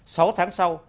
sáu tháng sau